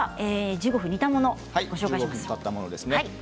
１５分煮たものですね。